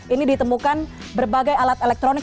ini ditemukan berbagai alat elektronik